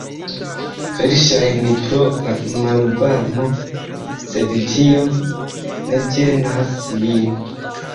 Verŝajne pro la malvarmo, sed tio ne ĝenas min.